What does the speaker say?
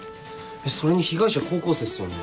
それに被害者高校生っすよね